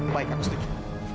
baik aku setuju